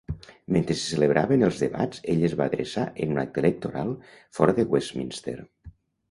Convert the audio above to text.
Mentre se celebraven els debats, ell es va adreçar en un acte electoral fora de Westminster.